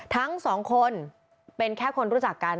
ทั้งสองคนเป็นแค่คนรู้จักกัน